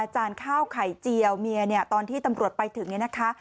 จานข้าวไข่เจียวเมียเนี่ยตอนที่ตำรวจไปถึงเนี่ยนะคะ